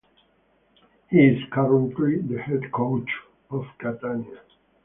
He is currently the head coach of Catania.